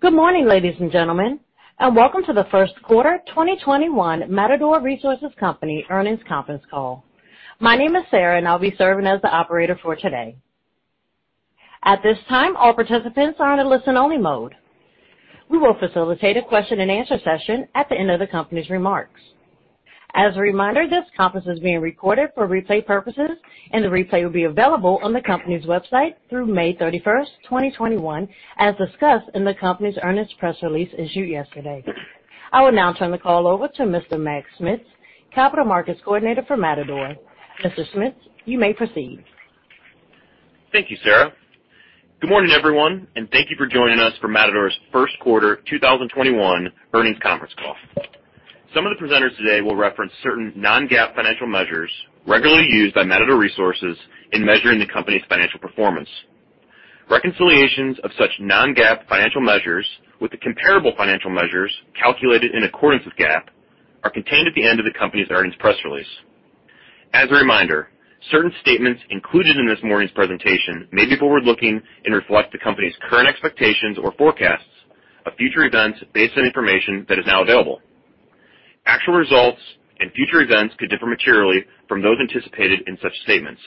Good morning, ladies and gentlemen, and welcome to the First Quarter 2021 Matador Resources Company Earnings Conference Call. My name is Sarah, and I'll be serving as the operator for today. At this time, all participants are in a listen-only mode. We will facilitate a question and answer session at the end of the company's remarks. As a reminder, this conference is being recorded for replay purposes, and the replay will be available on the company's website through May 31st, 2021, as discussed in the company's earnings press release issued yesterday. I will now turn the call over to Mr. Mac Schmitz, Capital Markets Coordinator for Matador. Mr. Schmitz, you may proceed. Thank you, Sarah. Good morning, everyone, and thank you for joining us for Matador's First Quarter 2021 Earnings Conference Call. Some of the presenters today will reference certain non-GAAP financial measures regularly used by Matador Resources in measuring the company's financial performance. Reconciliations of such non-GAAP financial measures with the comparable financial measures calculated in accordance with GAAP are contained at the end of the company's earnings press release. As a reminder, certain statements included in this morning's presentation may be forward-looking and reflect the company's current expectations or forecasts of future events based on information that is now available. Actual results and future events could differ materially from those anticipated in such statements.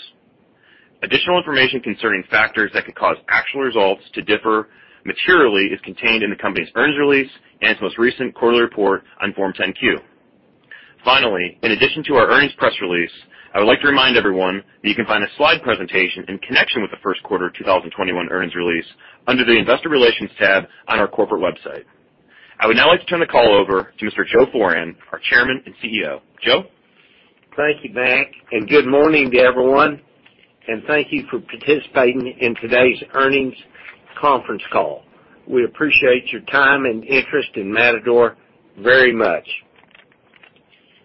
Additional information concerning factors that could cause actual results to differ materially is contained in the company's earnings release and its most recent quarterly report on Form 10-Q. 555 Finally, in addition to our earnings press release, I would like to remind everyone that you can find a slide presentation in connection with the first quarter 2021 earnings release under the investor relations tab on our corporate website. I would now like to turn the call over to Mr. Joe Foran, our Chairman and CEO. Joe? Thank you, Mac. Good morning to everyone, and thank you for participating in today's earnings conference call. We appreciate your time and interest in Matador very much.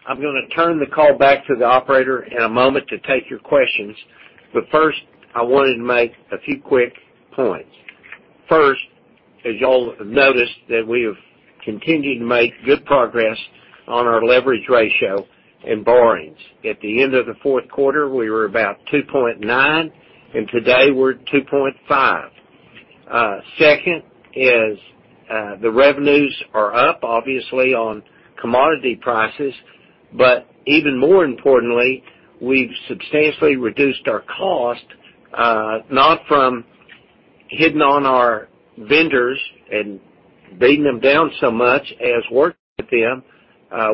I'm gonna turn the call back to the operator in a moment to take your questions. First, I wanted to make a few quick points. First, as you all noticed that we have continued to make good progress on our leverage ratio and borrowings. At the end of the fourth quarter, we were about 2.9, today we're at 2.5. Second, the revenues are up, obviously, on commodity prices. Even more importantly, we've substantially reduced our costs, not from hitting on our vendors and beating them down so much, as working with them,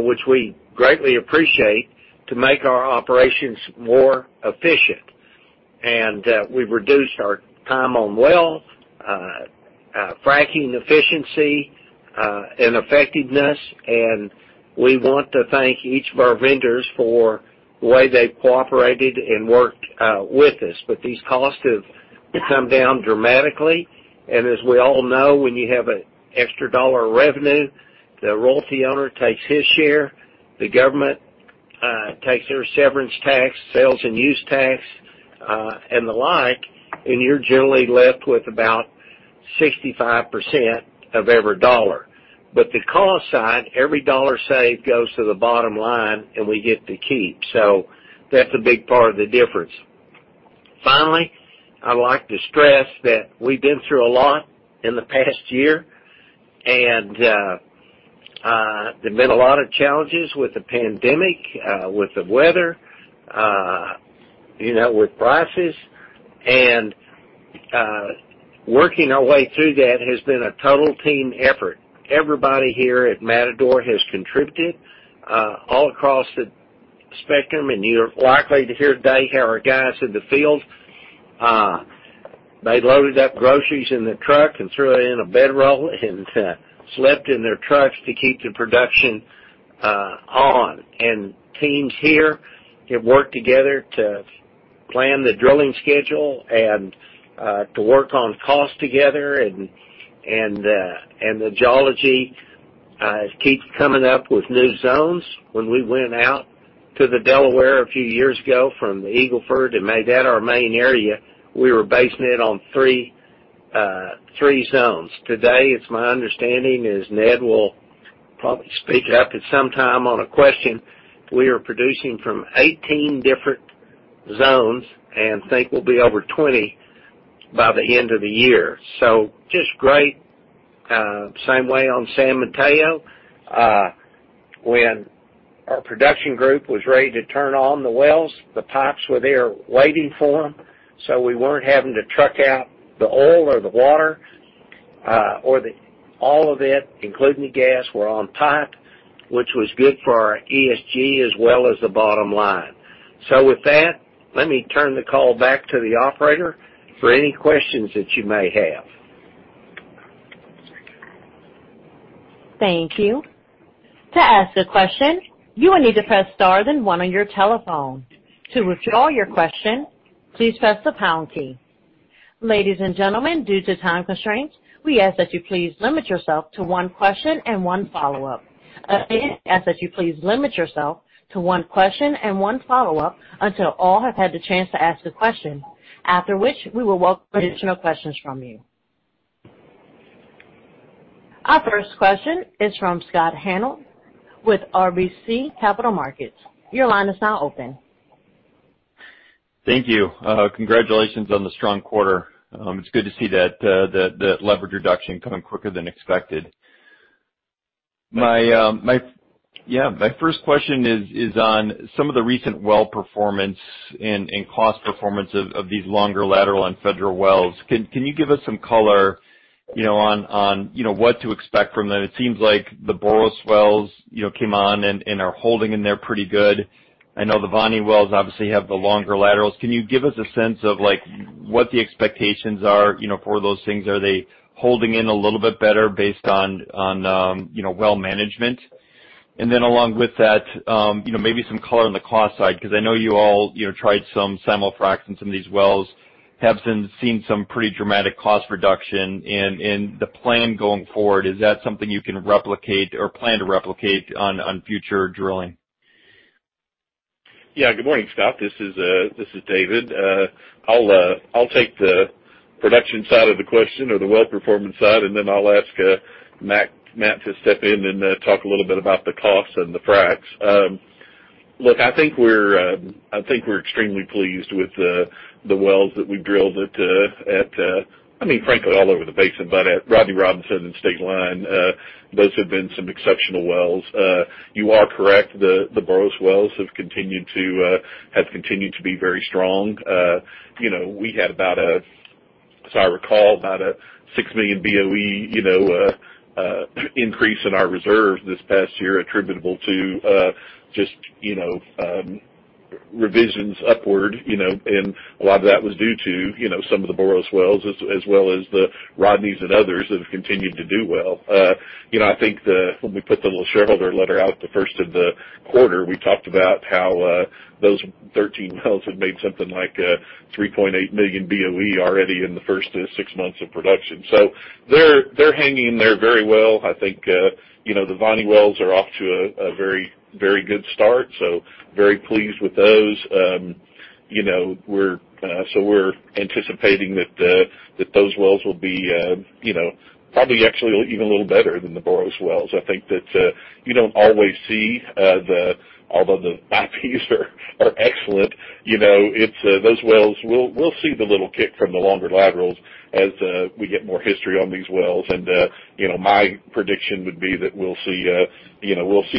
which we greatly appreciate, to make our operations more efficient. We've reduced our time on wells, fracking efficiency, and effectiveness, and we want to thank each of our vendors for the way they've cooperated and worked with us. These costs have come down dramatically, and as we all know, when you have an extra $1 revenue, the royalty owner takes his share, the government takes their severance tax, sales and use tax, and the like, and you're generally left with about 65% of every dollar. The cost side, every dollar saved goes to the bottom line, and we get to keep. That's a big part of the difference. Finally, I'd like to stress that we've been through a lot in the past year, and there've been a lot of challenges with the pandemic, with the weather, with prices. Working our way through that has been a total team effort. Everybody here at Matador has contributed, all across the spectrum, and you're likely to hear today how our guys in the field, they loaded up groceries in the truck and threw it in a bedroll and slept in their trucks to keep the production on. Teams here have worked together to plan the drilling schedule and to work on cost together and the geology, keeps coming up with new zones. When we went out to the Delaware a few years ago from the Eagle Ford and made that our main area, we were basing it on three zones. Today, it's my understanding, as Ned will probably speak at some time on a question, we are producing from 18 different zones and think we'll be over 20 by the end of the year. Just great. Same way on San Mateo. When our production group was ready to turn on the wells, the pipes were there waiting for them, so we weren't having to truck out the oil or the water. All of it, including the gas, was on pipe, which was good for our ESG as well as the bottom line. With that, let me turn the call back to the operator for any questions that you may have. Thank you. To ask a question, you will need to press star then one on your telephone. To withdraw your question, please press the pound key. Ladies and gentlemen, due to time constraints, we ask that you please limit yourself to one question and one follow-up. Again, ask that you please limit yourself to one question and one follow-up until all have had the chance to ask a question, after which we will welcome additional questions from you. Our first question is from Scott Hanold with RBC Capital Markets. Your line is now open. Thank you. Congratulations on the strong quarter. It's good to see that leverage reduction coming quicker than expected. My first question is on some of the recent well performance and cost performance of these longer lateral and federal wells. Can you give us some color on what to expect from them? It seems like the Boros wells came on and are holding in there pretty good. I know the Voni wells obviously have the longer laterals. Can you give us a sense of what the expectations are for those things? Are they holding in a little bit better based on well management? Along with that, maybe some color on the cost side, because I know you all tried some simul-fracs in some of these wells, have seen some pretty dramatic cost reduction in the plan going forward. Is that something you can replicate or plan to replicate on future drilling? Good morning, Scott. This is David. I'll take the production side of the question or the well performance side, and then I'll ask Matt to step in and talk a little bit about the costs and the fracs. I think we're extremely pleased with the wells that we drilled, frankly, all over the basin, but at Rodney Robinson and Stateline. Those have been some exceptional wells. You are correct, the Boros wells have continued to be very strong. We had, as I recall, about a 6 million BOE increase in our reserve this past year attributable to revisions upward, and a lot of that was due to some of the Boros wells as well as the Rodneys and others that have continued to do well. I think when we put the little shareholder letter out the first of the quarter, we talked about how those 13 wells had made something like 3.8 million BOE already in the first six months of production. They're hanging in there very well. I think the Voni wells are off to a very good start, so very pleased with those. We're anticipating that those wells will be probably actually even a little better than the Boros wells. I think that you don't always see although the IPs are excellent, those wells, we'll see the little kick from the longer laterals as we get more history on these wells. My prediction would be that we'll see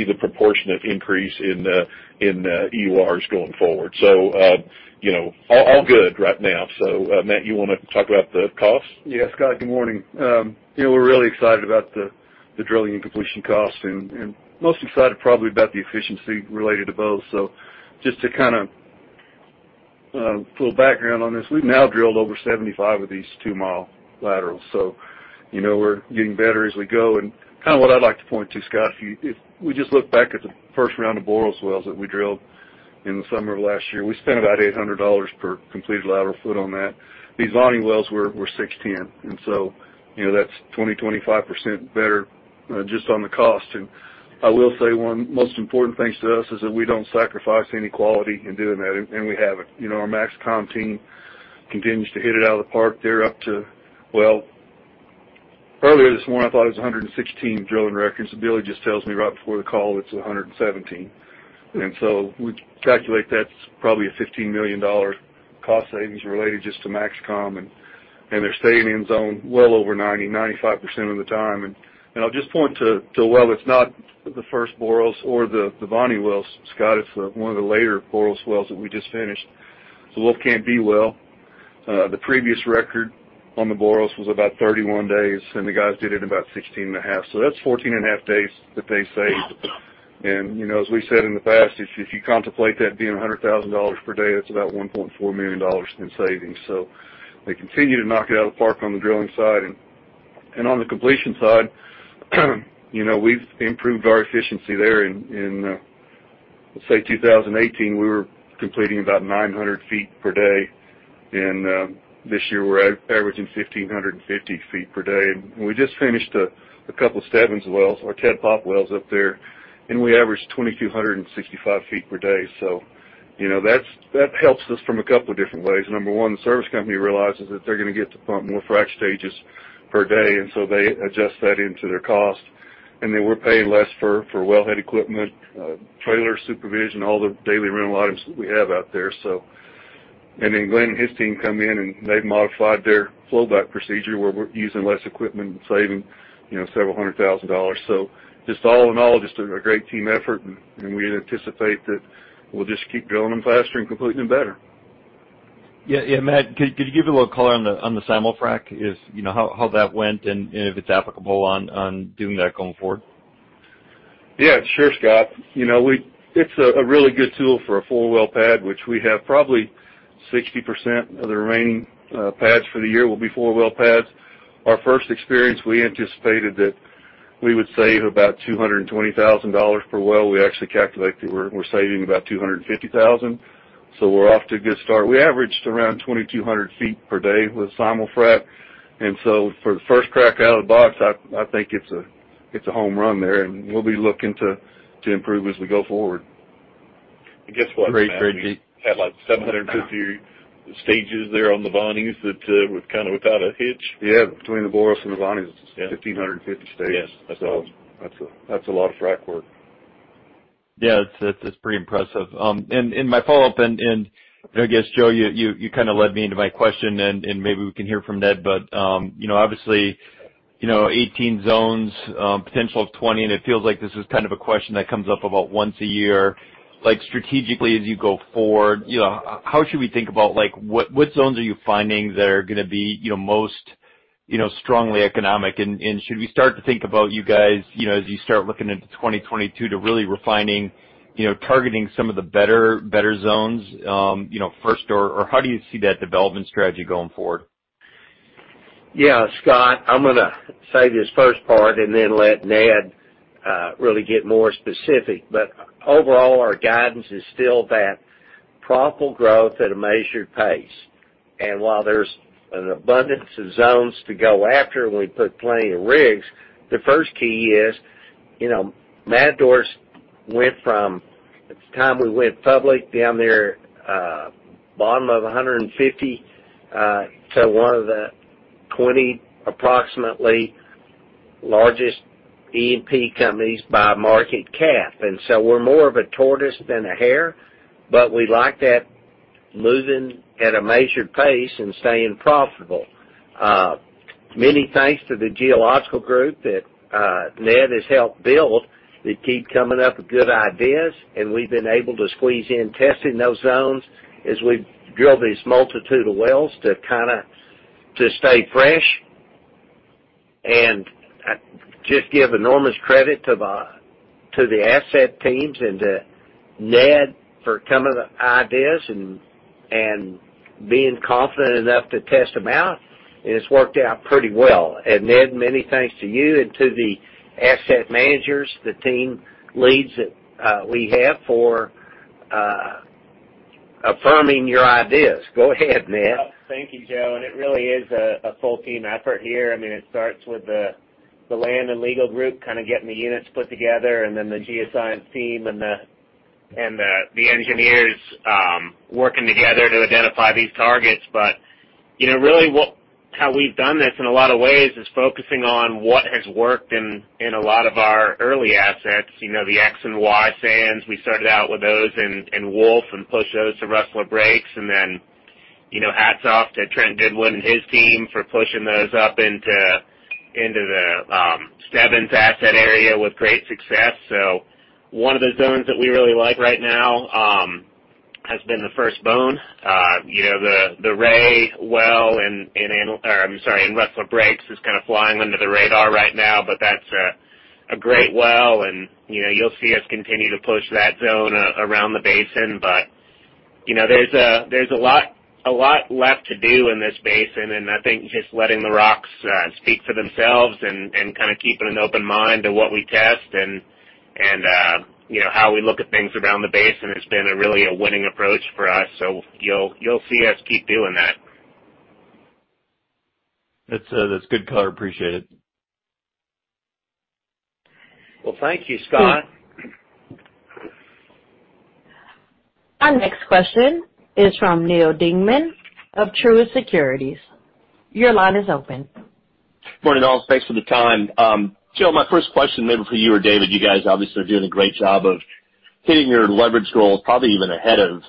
the proportionate increase in EURs going forward. All good right now. Matt, you want to talk about the cost? Yes, Scott, good morning. We're really excited about the drilling and completion costs and most excited probably about the efficiency related to both. Just a little background on this. We've now drilled over 75 of these 2-mi laterals, we're getting better as we go. What I'd like to point to, Scott, if we just look back at the first round of Boros wells that we drilled in the summer of last year, we spent about $800 per completed lateral foot on that. These Voni wells were 610, that's 20%, 25% better just on the cost. I will say one most important things to us is that we don't sacrifice any quality in doing that, and we haven't. Our MaxCom team continues to hit it out of the park. They're up to, well, earlier this morning, I thought it was 116 drilling records, and Billy just tells me right before the call it's 117. We calculate that's probably a $15 million cost savings related just to MaxCom, and they're staying in zone well over 90%, 95% of the time. I'll just point to a well that's not the first Boros or the Voni wells, Scott. It's one of the later Boros wells that we just finished. The Wolfcamp B well. The previous record on the Boros was about 31 days, and the guys did it in about 16.5. That's 14.5 days that they saved. As we said in the past, if you contemplate that being $100,000 per day, that's about $1.4 million in savings. They continue to knock it out of the park on the drilling side. On the completion side, we've improved our efficiency there. In, let's say, 2018, we were completing about 900 ft per day, this year we're averaging 1,550 ft per day. We just finished a couple of Stebbins wells, our Ted wells up there, and we averaged 2,265 ft per day. That helps us from a couple of different ways. Number one, the service company realizes that they're going to get to pump more frac stages per day, they adjust that into their cost. We're paying less for well head equipment, trailer supervision, all the daily rental items that we have out there. Glenn and his team come in, and they've modified their flow back procedure where we're using less equipment and saving several hundred thousand dollars. Just all in all, just a great team effort, and we anticipate that we'll just keep drilling them faster and completing them better. Yeah. Matt, could you give a little color on the simul-frac, how that went and if it's applicable on doing that going forward? Yeah, sure, Scott. It's a really good tool for a four-well pad, which we have probably 60% of the remaining pads for the year will be four-well pads. Our first experience, we anticipated that we would save about $220,000 per well. We actually calculate that we're saving about $250,000. We're off to a good start. We averaged around 2,200 ft per day with simul-frac. For the first crack out of the box, I think it's a home run there, and we'll be looking to improve as we go forward. Guess what, Matt? We had like 750 stages there on the Voni that without a hitch. Yeah. Between the Boros and the Voni, it's 1,550 stages. Yes. That's awesome. That's a lot of frac work. Yeah, it's pretty impressive. My follow-up, I guess, Joe, you led me into my question, and maybe we can hear from Ned. Obviously, 18 zones, potential of 20, and it feels like this is a question that comes up about once a year. Strategically, as you go forward, how should we think about what zones are you finding that are going to be most strongly economic? Should we start to think about you guys, as you start looking into 2022, to really refining, targeting some of the better zones first, or how do you see that development strategy going forward? Yeah. Scott, I'm going to say this first part and then let Ned really get more specific. Overall, our guidance is still that profitable growth at a measured pace. While there's an abundance of zones to go after, and we put plenty of rigs, the first key is, Matador's went from, at the time we went public, down there, bottom of 150 to one of the 20 approximately largest E&P companies by market cap. So we're more of a tortoise than a hare, but we like that moving at a measured pace and staying profitable. Many thanks to the geological group that Ned has helped build that keep coming up with good ideas, and we've been able to squeeze in testing those zones as we drill these multitude of wells to stay fresh, and just give enormous credit to the asset teams and to Ned for coming up with ideas and being confident enough to test them out, and it's worked out pretty well. Ned, many thanks to you and to the asset managers, the team leads that we have for affirming your ideas. Go ahead, Ned. Thank you, Joe. It really is a full team effort here. It starts with the land and legal group getting the units put together, and then the geoscience team and the engineers working together to identify these targets. Really how we've done this in a lot of ways is focusing on what has worked in a lot of our early assets. The X and Y sands, we started out with those in Wolf and pushed those to Rustler Breaks, and then hats off to Trent Goodwin and his team for pushing those up into the Stebbins asset area with great success. One of the zones that we really like right now has been the First Bone. The Ray well, I'm sorry, in Rustler Breaks is flying under the radar right now, but that's a great well, and you'll see us continue to push that zone around the basin. There's a lot left to do in this basin, and I think just letting the rocks speak for themselves and keeping an open mind to what we test and how we look at things around the basin has been really a winning approach for us. You'll see us keep doing that. That's good color. Appreciate it. Well, thank you, Scott. Our next question is from Neal Dingmann of Truist Securities. Your line is open. Morning, all. Thanks for the time. Joe, my first question maybe for you or David. You guys obviously are doing a great job of hitting your leverage goals, probably even ahead of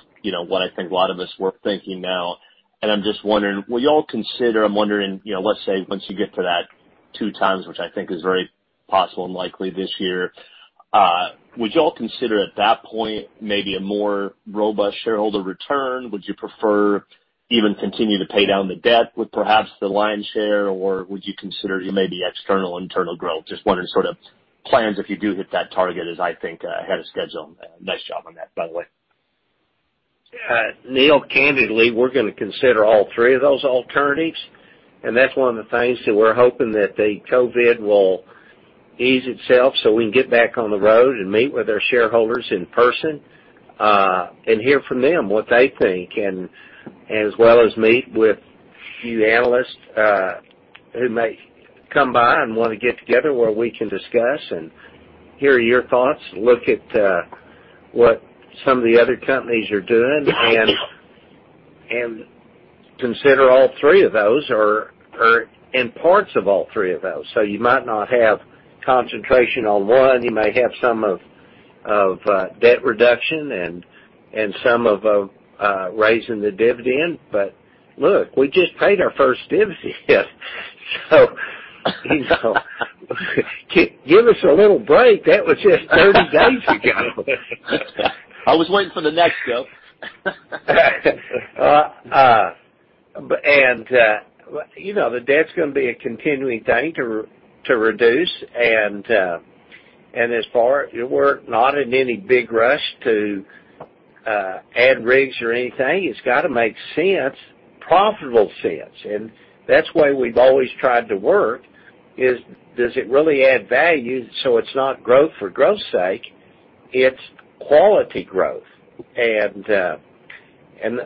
what I think a lot of us were thinking now. I'm just wondering, will y'all consider, I'm wondering, let's say, once you get to that two times, which I think is very possible and likely this year, would y'all consider at that point maybe a more robust shareholder return? Would you prefer even continue to pay down the debt with perhaps the lion's share? Would you consider maybe external, internal growth? Just wondering sort of plans if you do hit that target, as I think ahead of schedule. Nice job on that, by the way. Neal, candidly, we're going to consider all three of those alternatives. That's one of the things that we're hoping that the COVID will ease itself so we can get back on the road and meet with our shareholders in person, hear from them what they think, as well as meet with you analysts, who may come by and want to get together where we can discuss and hear your thoughts, look at what some of the other companies are doing, and consider all three of those or parts of all three of those. You might not have concentration on one. You may have some of debt reduction and some of raising the dividend. Look, we just paid our first dividend. Give us a little break. That was just 30 days ago. I was waiting for the next, Joe. The debt's going to be a continuing thing to reduce, and thus far, we're not in any big rush to add rigs or anything. It's got to make sense, profitable sense, and that's the way we've always tried to work is: Does it really add value so it's not growth for growth's sake? It's quality growth. A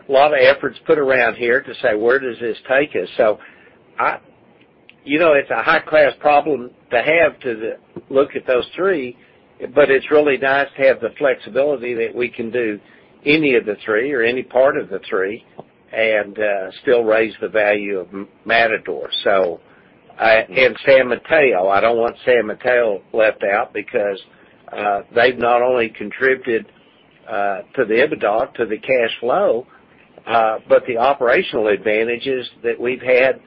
lot of effort's put around here to say: Where does this take us? It's a high-class problem to have to look at those three, but it's really nice to have the flexibility that we can do any of the three or any part of the three and still raise the value of Matador. San Mateo, I don't want San Mateo left out because they've not only contributed to the EBITDA, to the cash flow, but the operational advantages that we've had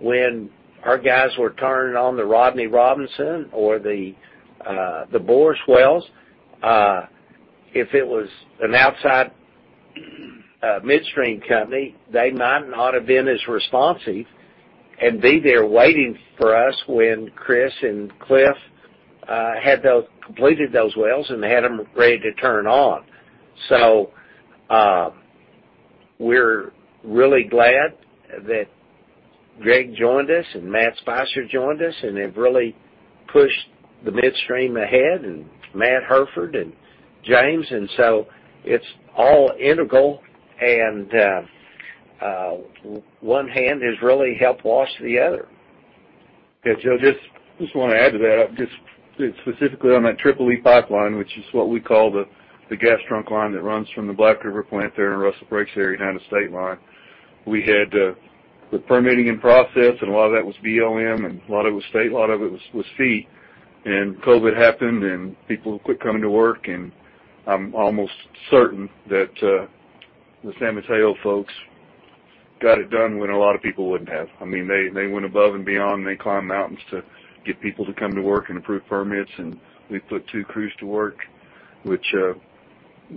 when our guys were turning on the Rodney Robinson or the Boros wells, if it was an outside midstream company, they might not have been as responsive and be there waiting for us when Chris and Cliff had those completed wells, and they had them ready to turn on. We're really glad that Greg joined us, and Matt Spicer joined us, and they've really pushed the midstream ahead, and Matt Hairford and James. It's all integral, and one hand has really helped wash the other. Yeah. Joe, just want to add to that, just specifically on that EEE pipeline, which is what we call the gas trunk line that runs from the Black River plant there in the Rustler Breaks area down to Stateline. We had the permitting in process. A lot of that was BLM, a lot of it was state, a lot of it was fee. COVID happened, people quit coming to work, I'm almost certain that the San Mateo folks got it done when a lot of people wouldn't have. They went above and beyond, they climbed mountains to get people to come to work and approve permits. We put two crews to work, which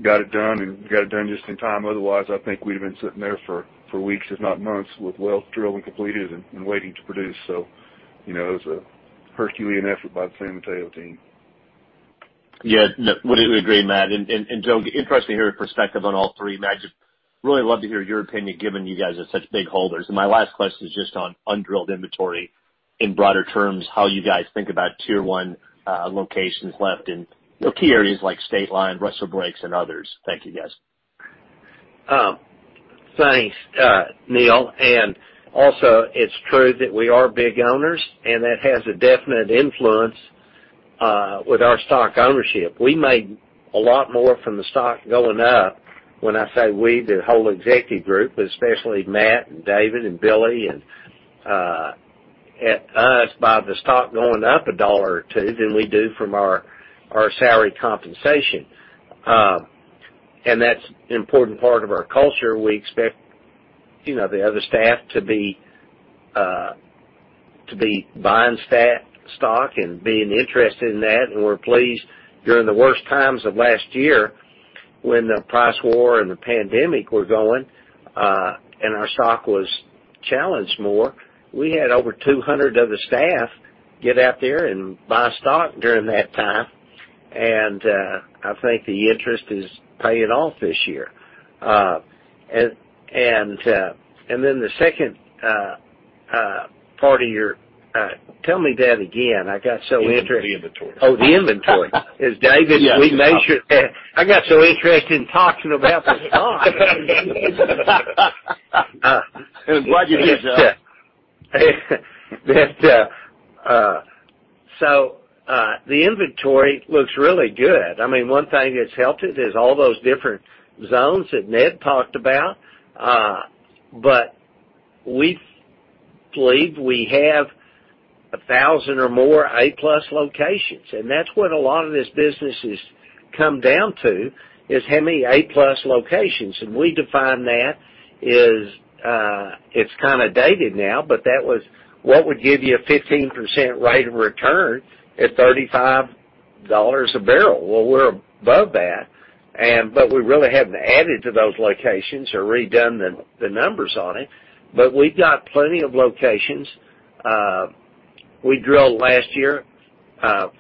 got it done, got it done just in time. Otherwise, I think we'd have been sitting there for weeks, if not months, with wells drilled and completed and waiting to produce. It was a Herculean effort by the San Mateo team. Yeah. No, would agree, Matt, and Joe, interesting to hear your perspective on all three. Matt, just really love to hear your opinion, given you guys are such big holders. My last question is just on undrilled inventory. In broader terms, how you guys think about Tier 1 locations left in key areas like Stateline, Rustler Breaks, and others. Thank you, guys. Thanks, Neal. Also, it's true that we are big owners, and that has a definite influence with our stock ownership. We made a lot more from the stock going up. When I say we, the whole executive group, but especially Matt and David and Billy, and us by the stock going up $1 or $2, than we do from our salary compensation. That's an important part of our culture. We expect the other staff to be buying staff stock and being interested in that. We're pleased during the worst times of last year when the price war and the pandemic were going, and our stock was challenged more, we had over 200 other staff get out there and buy stock during that time. I think the interest is paying off this year. Tell me that again, I got so interested. The inventory. Oh, the inventory. As David, we made sure I got so interested in talking about the stock. I'm glad you did, Joe. The inventory looks really good. One thing that's helped it is all those different zones that Ned talked about. We believe we have 1,000 or more A+ locations, and that's what a lot of this business has come down to, is how many A+ locations. We define that is, it's kind of dated now, but that was what would give you a 15% rate of return at $35 a barrel. Well, we're above that, but we really haven't added to those locations or redone the numbers on it. We've got plenty of locations. We drilled last year,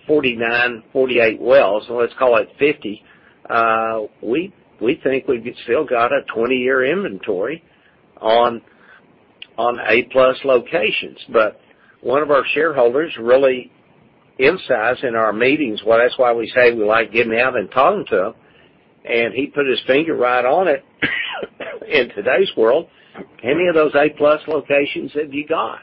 49, 48 wells, so let's call it 50. We think we've still got a 20-year inventory on A+ locations. One of our shareholders really emphasized in our meetings, well, that's why we say we like getting out and talking to them, and he put his finger right on it. In today's world, how many of those A+ locations have you got?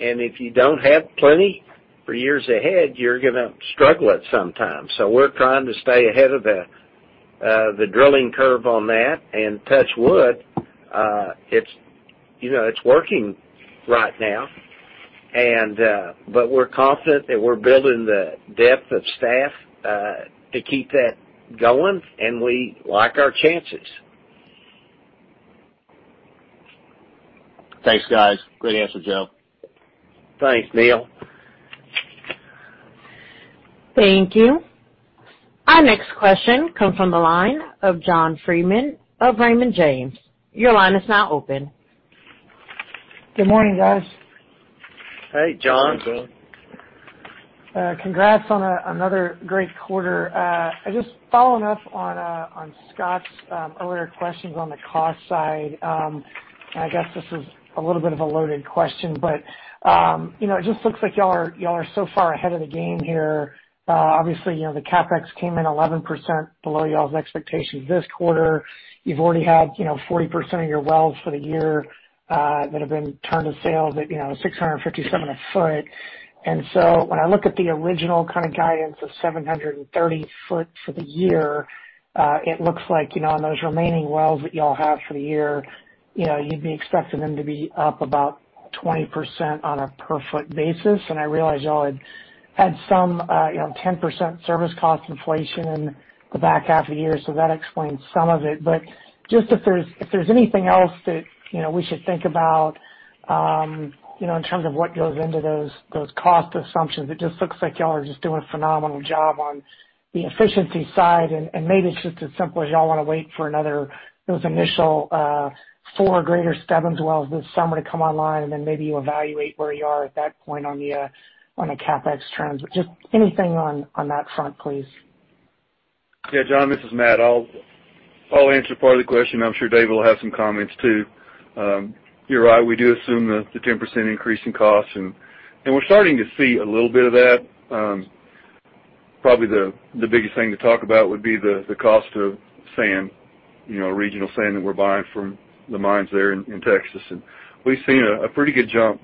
If you don't have plenty for years ahead, you're going to struggle at some time. We're trying to stay ahead of the drilling curve on that, and touch wood, it's working right now. We're confident that we're building the depth of staff to keep that going, and we like our chances. Thanks, guys. Great answer, Joe. Thanks, Neal. Thank you. Our next question comes from the line of John Freeman of Raymond James. Your line is now open. Good morning, guys. Hey, John. Hey, John. Congrats on another great quarter. Just following up on Scott’s earlier questions on the cost side. I guess this is a little bit of a loaded question, but it just looks like you all are so far ahead of the game here. Obviously, the CapEx came in 11% below you all’s expectations this quarter. You’ve already had 40% of your wells for the year that have been turned to sales at $657 a foot. When I look at the original guidance of $730 a foot for the year, it looks like, on those remaining wells that you all have for the year, you’d be expecting them to be up about 20% on a per foot basis. I realize you all had some 10% service cost inflation in the back half of the year, that explains some of it. Just if there's anything else that we should think about, in terms of what goes into those cost assumptions. It just looks like you all are just doing a phenomenal job on the efficiency side, and maybe it's just as simple as you all want to wait for another, those initial four greater Stebbins wells this summer to come online, and then maybe you evaluate where you are at that point on a CapEx trends. Just anything on that front, please. Yeah, John, this is Matt. I'll answer part of the question. I'm sure David will have some comments, too. You're right. We do assume the 10% increase in costs. We're starting to see a little bit of that. Probably the biggest thing to talk about would be the cost of sand, regional sand that we're buying from the mines there in Texas. We've seen a pretty good jump,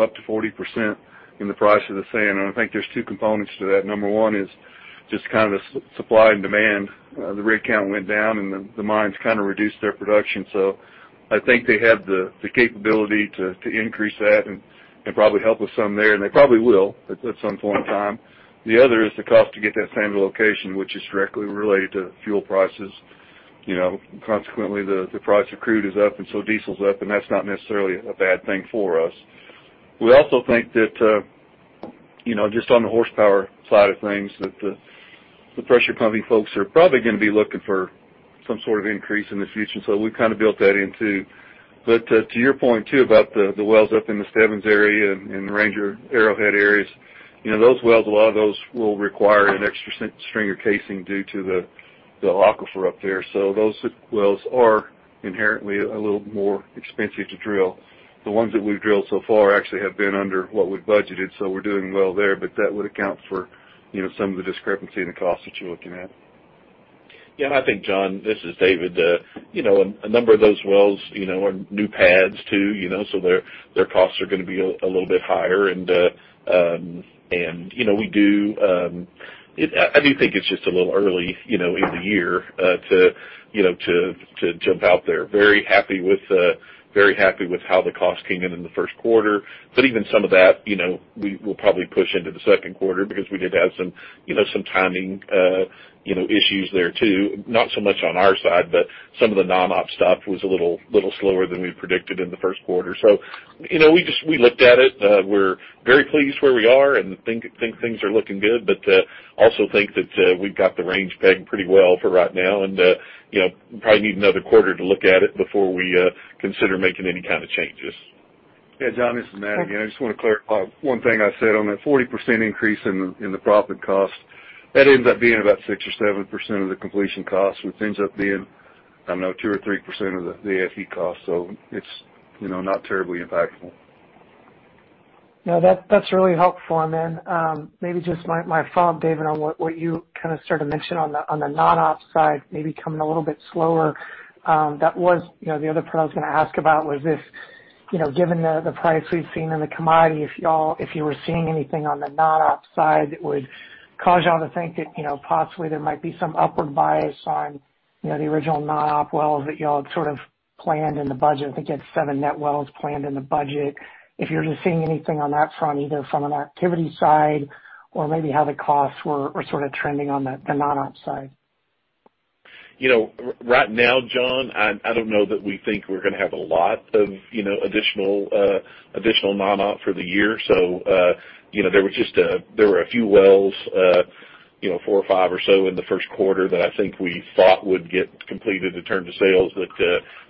up to 40%, in the price of the sand. I think there's two components to that. Number one is just supply and demand. The rig count went down, and the mines reduced their production. I think they have the capability to increase that and probably help with some there, and they probably will at some point in time. The other is the cost to get that sand to location, which is directly related to fuel prices. The price of crude is up, and so diesel's up, and that's not necessarily a bad thing for us. We also think that, just on the horsepower side of things, that the pressure pumping folks are probably going to be looking for some sort of increase in the future, and so we've built that in, too. To your point, too, about the wells up in the Stebbins area and the Ranger Arrowhead areas, those wells, a lot of those will require an extra string of casing due to the aquifer up there. Those wells are inherently a little more expensive to drill. The ones that we've drilled so far actually have been under what we've budgeted, so we're doing well there, but that would account for some of the discrepancy in the cost that you're looking at. Yeah. I think, John, this is David. A number of those wells are new pads, too, so their costs are going to be a little bit higher. I do think it's just a little early in the year to jump out there. Very happy with how the cost came in in the first quarter. Even some of that, we will probably push into the second quarter because we did have some timing issues there, too. Not so much on our side, but some of the non-op stuff was a little slower than we predicted in the first quarter. We looked at it. We're very pleased where we are and think things are looking good, but also think that we've got the range pegged pretty well for right now. Probably need another quarter to look at it before we consider making any kind of changes. Yeah, John, this is Matt again. I just want to clarify one thing I said on that 40% increase in the proppant cost. That ends up being about 6% or 7% of the completion cost, which ends up being 2% or 3% of the AFE cost. It's not terribly impactful. No, that's really helpful. Maybe just my follow-up, David, on what you started to mention on the non-op side, maybe coming a little bit slower. The other part I was going to ask about was if, given the price we've seen in the commodity, if you were seeing anything on the non-op side that would cause you all to think that possibly there might be some upward bias on the original non-op wells that you all had planned in the budget. I think you had seven net wells planned in the budget. If you're just seeing anything on that front, either from an activity side or maybe how the costs were sort of trending on the non-op side. Right now, John, I don't know that we think we're going to have a lot of additional non-op for the year. There were a few wells, four or five or so in the first quarter that I think we thought would get completed to turn to sales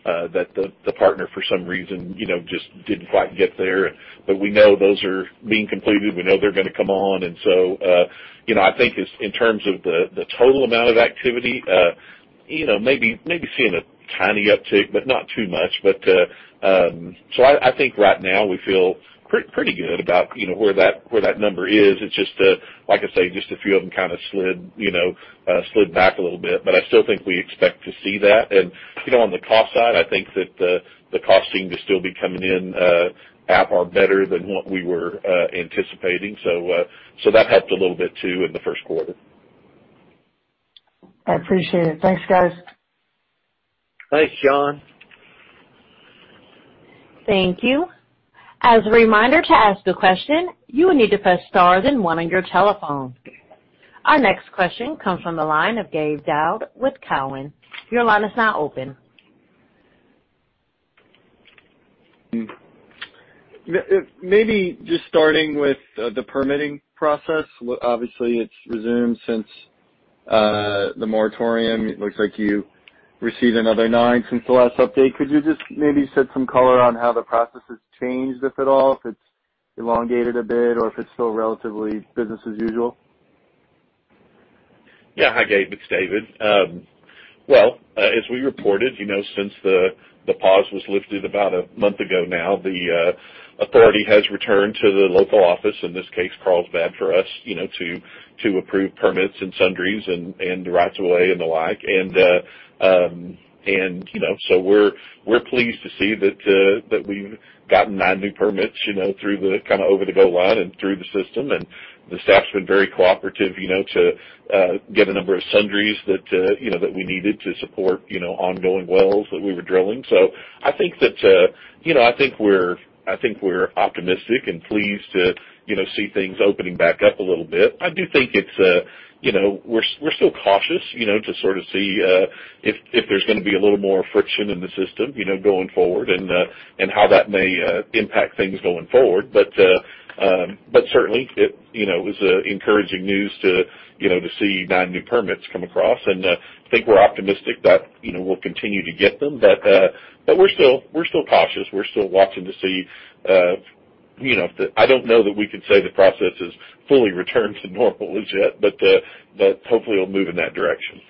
that the partner for some reason just didn't quite get there. We know those are being completed. We know they're going to come on. I think in terms of the total amount of activity, maybe seeing a tiny uptick, but not too much. I think right now we feel pretty good about where that number is. It's just, like I say, just a few of them kind of slid back a little bit. I still think we expect to see that. On the cost side, I think that the costing to still be coming in at or better than what we were anticipating. That helped a little bit too in the first quarter. I appreciate it. Thanks, guys. Thanks, John. Thank you. As a reminder to ask a question, you will need to press star then one on your telephone. Our next question comes from the line of Gabe Daoud with Cowen. Your line is now open. Maybe just starting with the permitting process. Obviously, it's resumed since the moratorium. It looks like you received another nine since the last update. Could you just maybe shed some color on how the process has changed, if at all, if it's elongated a bit, or if it's still relatively business as usual? Yeah. Hi, Gabe. It's David. Well, as we reported, since the pause was lifted about a month ago now, the authority has returned to the local office, in this case, Carlsbad, for us, to approve permits and sundries and right of way and the like. We're pleased to see that we've gotten nine new permits, through the kind of over the go line and through the system. The staff's been very cooperative to get a number of sundries that we needed to support ongoing wells that we were drilling. I think we're optimistic and pleased to see things opening back up a little bit. I do think we're still cautious to sort of see if there's going to be a little more friction in the system going forward and how that may impact things going forward. Certainly it was encouraging news to see nine new permits come across. I think we're optimistic that we'll continue to get them. We're still cautious. We're still watching to see. I don't know that we can say the process has fully returned to normal as yet, but hopefully it'll move in that direction.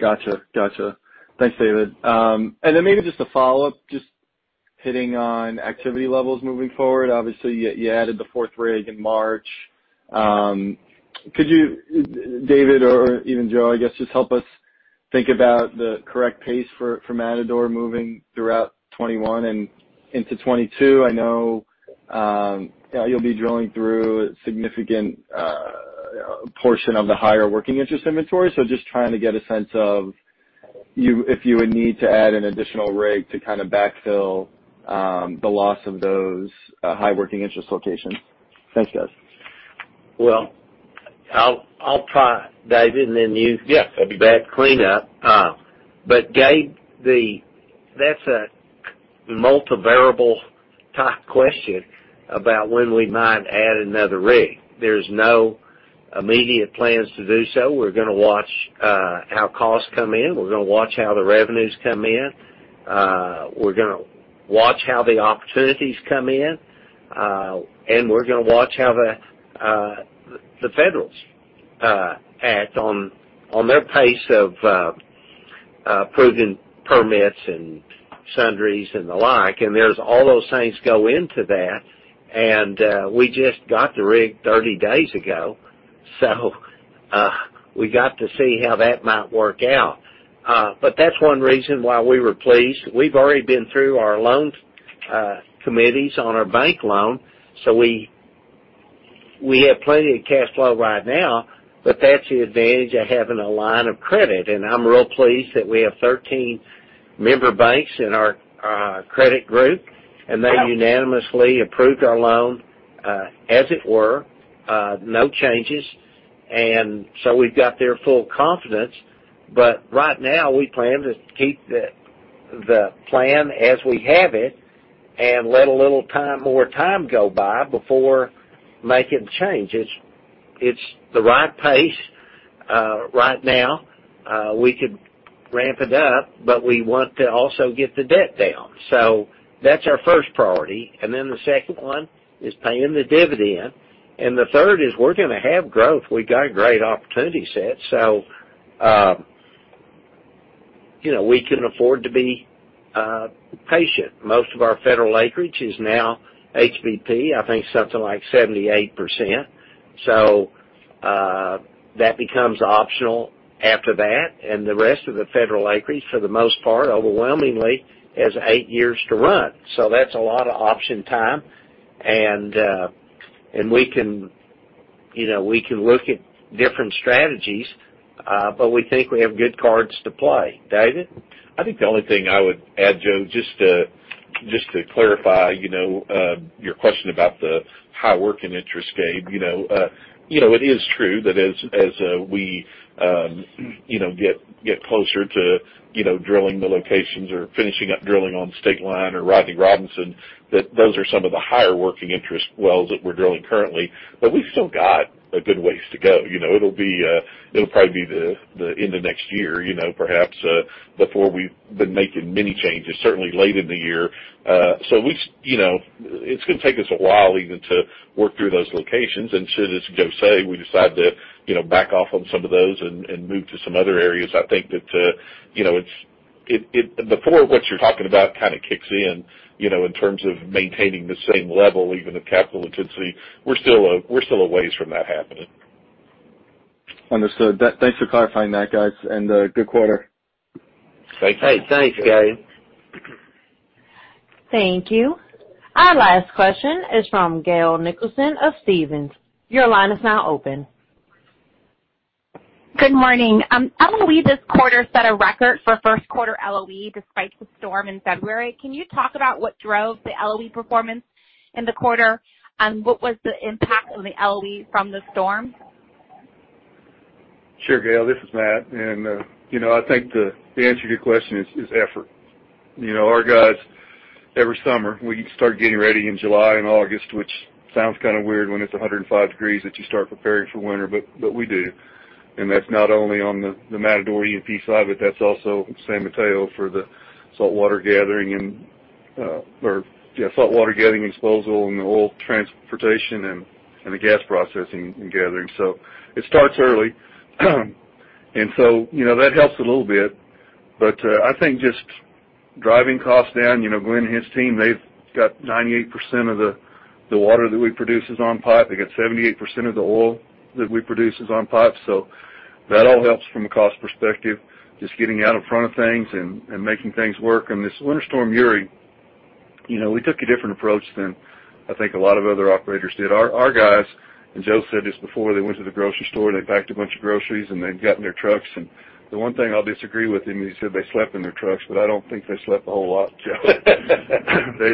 Got you. Thanks, David. Then maybe just a follow-up, just hitting on activity levels moving forward. Obviously, you added the fourth rig in March. Could you, David, or even Joe, I guess, just help us think about the correct pace for Matador moving throughout 2021 and into 2022? I know you'll be drilling through a significant portion of the higher working interest inventory, so just trying to get a sense of if you would need to add an additional rig to backfill the loss of those high working interest locations. Thanks, guys. Well, I'll try, David, and then you. Yes, that'd be great. clean up. Gabe, that's a multivariable type question about when we might add another rig. There's no immediate plans to do so. We're going to watch how costs come in. We're going to watch how the revenues come in. We're going to watch how the opportunities come in. We're going to watch how the federals act on their pace of approving permits and sundries and the like. There's all those things go into that. We just got the rig 30 days ago, we got to see how that might work out. That's one reason why we were pleased. We've already been through our loan committees on our bank loan, we have plenty of cash flow right now, that's the advantage of having a line of credit. I'm real pleased that we have 13 member banks in our credit group, and they unanimously approved our loan, as it were. No changes. We've got their full confidence. Right now, we plan to keep the plan as we have it and let a little more time go by before making changes. It's the right pace right now. We could ramp it up, but we want to also get the debt down. That's our first priority, and then the second one is paying the dividend, and the third is we're going to have growth. We got a great opportunity set. We can afford to be patient. Most of our federal acreage is now HBP, I think something like 78%. That becomes optional after that, and the rest of the federal acreage, for the most part, overwhelmingly, has eight years to run. That's a lot of option time. We can look at different strategies, but we think we have good cards to play. David? I think the only thing I would add, Joe, just to clarify your question about the high working interest, Gabe. It is true that as we get closer to drilling the locations or finishing up drilling on Stateline or Rodney Robinson, that those are some of the higher working interest wells that we're drilling currently. We've still got a good ways to go. It'll probably be the end of next year, perhaps, before we've been making many changes, certainly late in the year. It's going to take us a while even to work through those locations. Should, as Joe say, we decide to back off on some of those and move to some other areas, I think that before what you're talking about kicks in terms of maintaining the same level, even of capital intensity, we're still a ways from that happening. Understood. Thanks for clarifying that, guys, and good quarter. Thank you. Hey, thanks, Gabe. Thank you. Our last question is from Gail Nicholson of Stephens. Your line is now open. Good morning. I believe this quarter set a record for first quarter LOE despite the storm in February. Can you talk about what drove the LOE performance in the quarter, and what was the impact on the LOE from the storm? Sure, Gail, this is Matt. I think the answer to your question is effort. Our guys, every summer, we start getting ready in July and August, which sounds kind of weird when it's 105 degrees that you start preparing for winter, but we do. That's not only on the Matador E&P side, but that's also San Mateo for the saltwater gathering and. Saltwater gathering and disposal and the oil transportation and the gas processing and gathering. It starts early. That helps a little bit. I think just driving costs down, Glenn and his team, they've got 98% of the water that we produce is on pipe. They get 78% of the oil that we produce is on pipe. That all helps from a cost perspective, just getting out in front of things and making things work. This Winter Storm Uri, we took a different approach than I think a lot of other operators did. Our guys, and Joe said this before, they went to the grocery store, they packed a bunch of groceries, and they got in their trucks. The one thing I'll disagree with him, he said they slept in their trucks, but I don't think they slept a whole lot, Joe.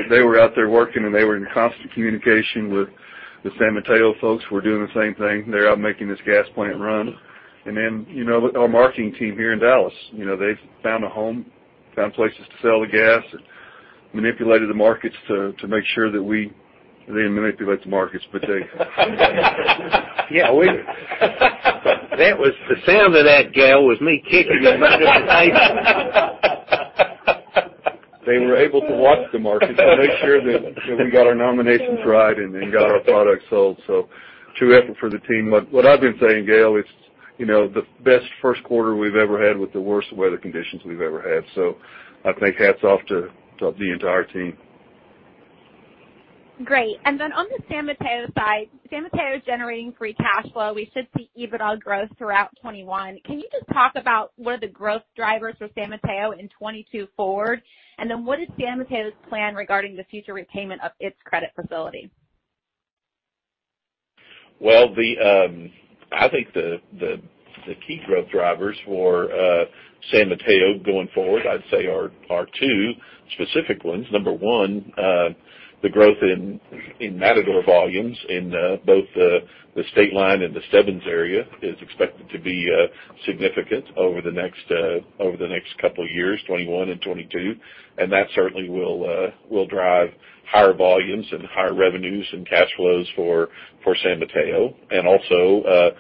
They were out there working, and they were in constant communication with the San Mateo folks, who were doing the same thing. They're out making this gas plant run. Our marketing team here in Dallas, they found a home, found places to sell the gas, and manipulated the markets to make sure that. They didn't manipulate the markets. The sound of that, Gail, was me kicking you under the table. They were able to watch the market to make sure that we got our nominations right and got our product sold. True effort for the team. What I've been saying, Gail, it's the best first quarter we've ever had with the worst weather conditions we've ever had. I think hats off to the entire team. Great. Then on the San Mateo side, San Mateo's generating free cash flow. We should see EBITDA growth throughout 2021. Can you just talk about what are the growth drivers for San Mateo in 2022 forward? Then what is San Mateo's plan regarding the future repayment of its credit facility? Well, I think the key growth drivers for San Mateo going forward, I'd say are two specific ones. Number one, the growth in Matador volumes in both the Stateline and the Stebbins area is expected to be significant over the next couple of years, 2021 and 2022. That certainly will drive higher volumes and higher revenues and cash flows for San Mateo. Also,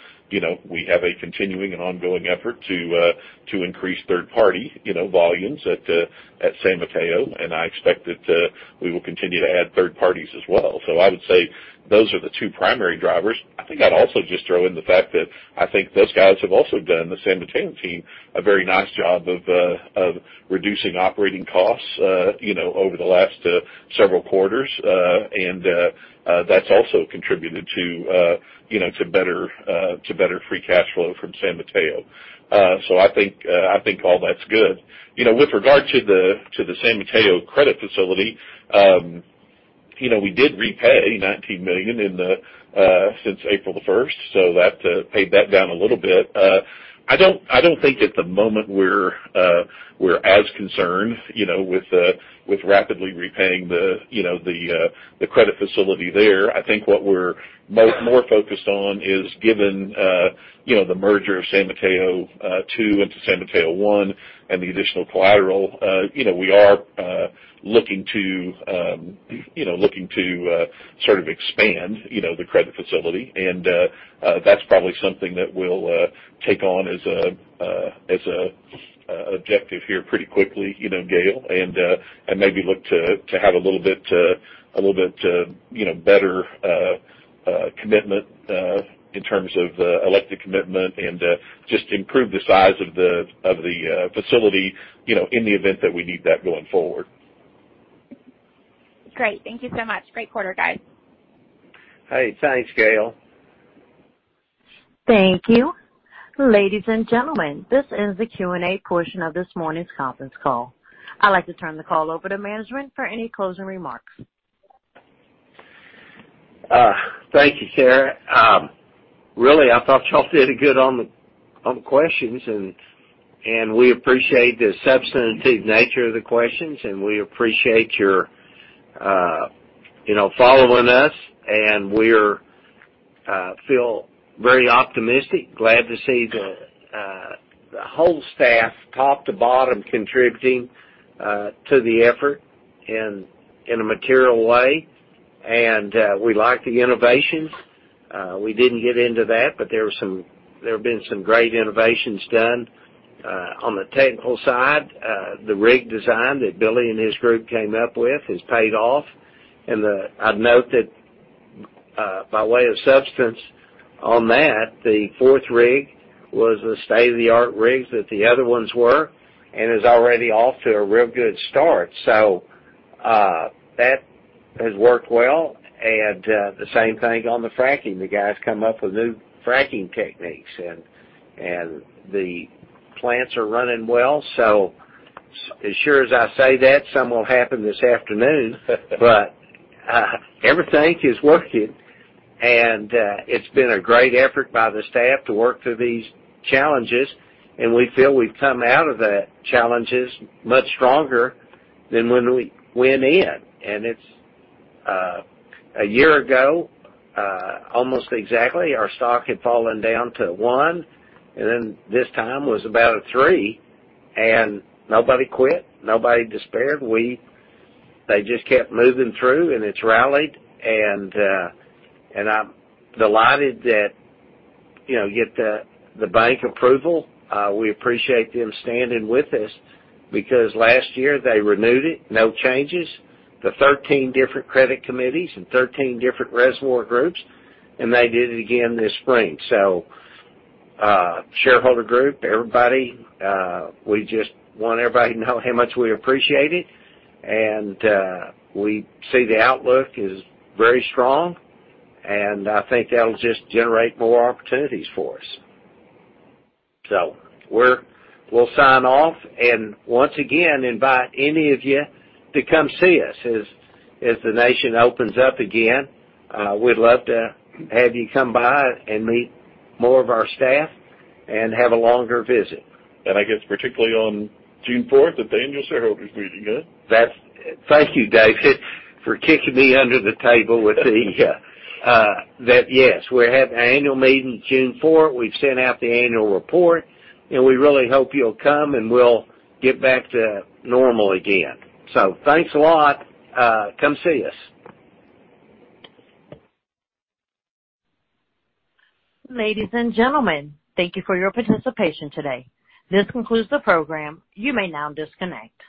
we have a continuing and ongoing effort to increase third-party volumes at San Mateo, and I expect that we will continue to add third parties as well. I would say those are the two primary drivers. I think I'd also just throw in the fact that I think those guys have also done, the San Mateo team, a very nice job of reducing operating costs over the last several quarters. That's also contributed to better free cash flow from San Mateo. I think all that's good. With regard to the San Mateo credit facility, we did repay $19 million since April 1st, so that paid that down a little bit. I don't think at the moment we're as concerned with rapidly repaying the credit facility there. I think what we're more focused on is given the merger of San Mateo II into San Mateo I and the additional collateral, we are looking to sort of expand the credit facility, and that's probably something that we'll take on as an objective here pretty quickly, Gail, and maybe look to have a little bit better commitment in terms of elected commitment and just improve the size of the facility in the event that we need that going forward. Great. Thank you so much. Great quarter, guys. Hey, thanks, Gail. Thank you. Ladies and gentlemen, this is the Q&A portion of this morning's conference call. I'd like to turn the call over to management for any closing remarks. Thank you, Sarah. Really, I thought you all did good on the questions, and we appreciate the substantive nature of the questions, and we appreciate your following us, and we feel very optimistic. Glad to see the whole staff top to bottom contributing to the effort in a material way, and we like the innovation. We didn't get into that, but there have been some great innovations done on the technical side. The rig design that Billy and his group came up with has paid off, and I'd note that, by way of substance on that, the fourth rig was a state-of-the-art rig that the other ones were and is already off to a real good start. That has worked well. The same thing on the fracking. The guys come up with new fracking techniques, and the plants are running well. As sure as I say that, some will happen this afternoon. Everything is working, and it's been a great effort by the staff to work through these challenges, and we feel we've come out of the challenges much stronger than when we went in. It's a year ago, almost exactly, our stock had fallen down to a $1, and then this time was about a $3, and nobody quit, nobody despaired. They just kept moving through, and it's rallied. I'm delighted that, get the bank approval. We appreciate them standing with us because last year they renewed it, no changes, the 13 different credit committees and 13 different reservoir groups, they did it again this spring. Shareholder group, everybody, we just want everybody to know how much we appreciate it, and we see the outlook is very strong, and I think that'll just generate more opportunities for us. We'll sign off, and once again, invite any of you to come see us as the nation opens up again. We'd love to have you come by and meet more of our staff and have a longer visit. I guess particularly on June 4th at the annual shareholders meeting, huh? Thank you, David, for kicking me under the table with the Yes, we have our annual meeting June 4th. We've sent out the annual report, and we really hope you'll come, and we'll get back to normal again. Thanks a lot. Come see us. Ladies and gentlemen, thank you for your participation today. This concludes the program. You may now disconnect.